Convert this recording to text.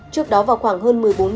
trước đó vào khoảng hơn một mươi bốn h